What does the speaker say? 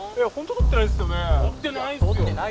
とってないですよ！